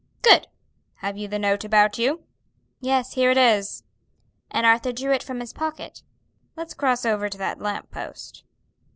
"Good! have you the note about you?" "Yes, here it is." And Arthur drew it from his pocket. "Let's cross over to that lamp post."